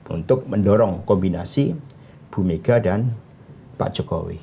untuk mendorong kombinasi bu mega dan pak jokowi